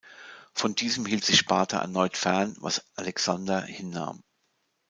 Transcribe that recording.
Von diesem hielt sich Sparta erneut fern, was Alexander hinnahm.